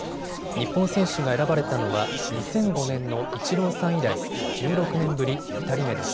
日本選手が選ばれたのは２００５年のイチローさん以来、１６年ぶり２人目です。